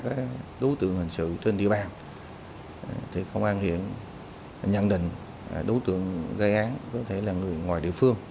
đối tượng hành sự trên địa bàn thì công an hiện nhận định đối tượng gây án có thể là người ngoài địa phương